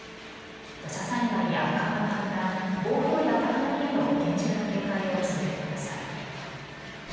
土砂災害や川の氾濫、暴風や高波への厳重な警戒を続けてください。